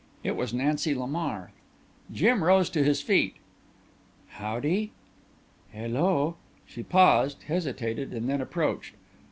It was Nancy Lamar. Jim rose to his feet. "Howdy?" "Hello " she paused, hesitated and then approached.